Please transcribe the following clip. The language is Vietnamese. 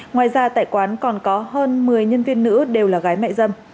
ngoài ra tại quán còn có hơn một mươi nhân viên nữ đều là gái mẹ dâm